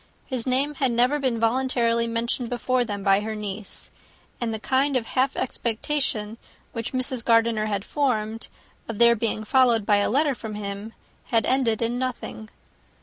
His name had never been voluntarily mentioned before them by her niece; and the kind of half expectation which Mrs. Gardiner had formed, of their being followed by a letter from him, had ended in nothing.